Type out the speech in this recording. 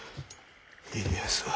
家康は？